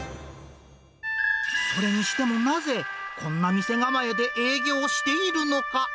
それにしてもなぜ、こんな店構えで営業しているのか。